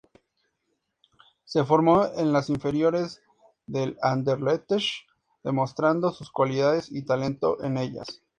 Se formó en las inferiores del Anderlecht, demostrando sus cualidades y talento en ellas.